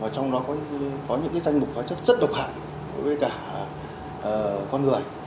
trong đó có những danh mục hóa chất rất độc hẳn với cả con người